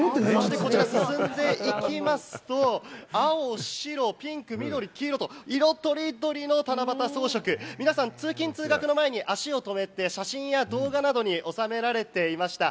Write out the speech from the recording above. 進んでいきますと、青、白、ピンク、緑、黄色と、色とりどりの七夕装飾、皆さん通勤・通学の前に足を止めて写真や動画などに収められていました。